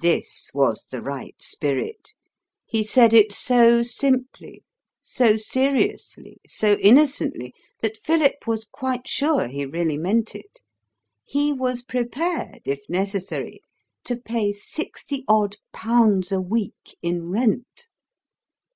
This was the right spirit. He said it so simply, so seriously, so innocently, that Philip was quite sure he really meant it. He was prepared, if necessary, to pay sixty odd pounds a week in rent.